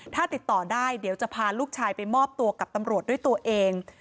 ถ้าติดต่อได้เดี๋ยวจะพาลูกชายไปมอบตัวกับตำรวจด้วยตัวเอง